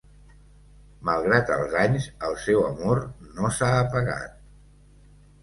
Malgrat els anys, el seu amor no s'ha apagat…